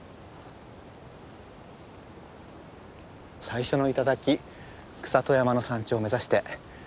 最初の頂草戸山の山頂を目指して頑張りましょう。